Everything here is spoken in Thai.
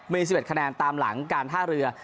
มี๑๑คะแนนตามหลังการท่าเรือ